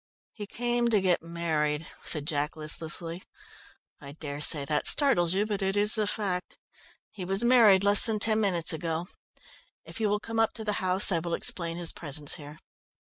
"He came to get married," said Jack listlessly. "I dare say that startles you, but it is the fact. He was married less than ten minutes ago. If you will come up to the house I will explain his presence here."